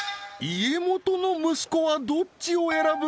家元の息子はどっちを選ぶ？